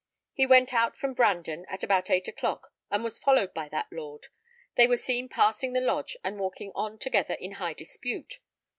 He went out from Brandon at about eight o'clock, and was followed by that lord: they were seen passing the lodge, and walking on together in high dispute.